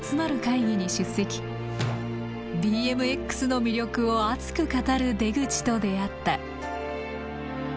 ＢＭＸの魅力を熱く語る出口と出会った。